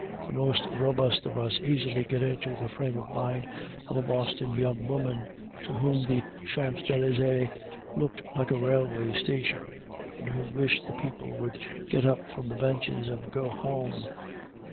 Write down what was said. The most robust of us easily get into the frame of mind of a Boston young woman, to whom the Champs Élysées looked like a railway station, and who wished the people would get up from the benches and go home.